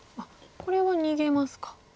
これは逃げますか。